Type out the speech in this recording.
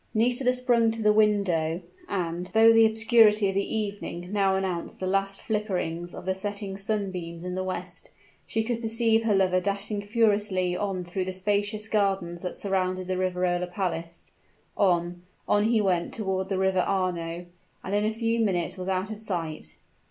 Nisida sprung to the window; and, though the obscurity of the evening now announced the last flickerings of the setting sunbeams in the west, she could perceive her lover dashing furiously on through the spacious gardens that surrounded the Riverola Palace. On on he went toward the River Arno; and in a few minutes was out of sight.